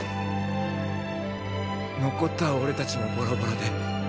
残った俺たちもボロボロで。